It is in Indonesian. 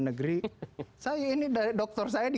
negeri saya ini dari dokter saya di